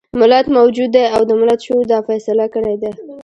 ملت موجود دی او د ملت شعور دا فيصله کړې ده.